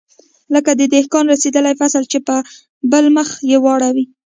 لکه د دهقان رسېدلى فصل چې په بل مخ يې واړوې.